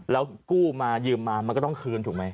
แล้วกู้มายืมมามันก็ต้องคืนถูกไหม